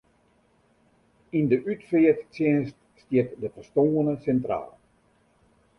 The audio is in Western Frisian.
Yn de útfearttsjinst stiet de ferstoarne sintraal.